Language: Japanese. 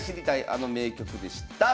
あの名局」でした！